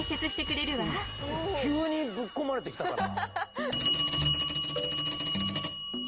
急にぶっ込まれてきたから。